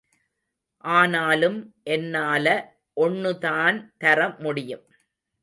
ஆனாலும் என்னால ஒண்ணுதான் தர முடியும்.